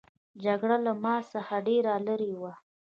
جګړه له ما څخه ډېره لیري وه.